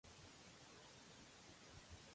Ser un cagalatxa.